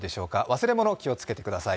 忘れ物、気をつけてください。